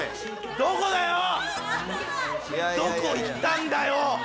どこ行ったんだよ！